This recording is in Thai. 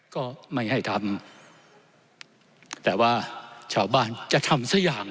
ก็ไม่ให้ทำแต่ว่าชาวบ้านจะทำสักอย่าง